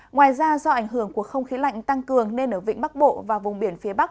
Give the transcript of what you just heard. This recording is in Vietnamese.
ngoài ra do ảnh hưởng của không khí lạnh tăng cường nên ở vịnh bắc bộ và vùng biển phía bắc